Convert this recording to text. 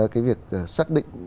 cái việc xác định